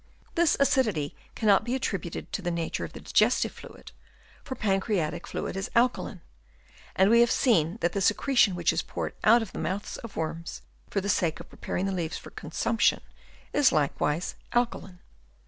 This acidity cannot be attributed to the nature of the digestive fluid, for pancreatic fluid is alkaline ; and we have seen that the secretion which is poured out of the mouths of worms for the sake of pre paring the leaves for consumption, is likewise alkaline.